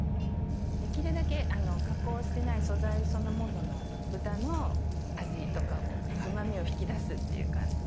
できるだけ加工してない素材そのものの豚の味とかをうまみを引き出すっていう感じで。